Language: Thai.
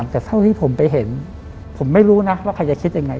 แต่เท่าที่ผมไปเห็นผมไม่รู้นะว่าใครจะคิดยังไง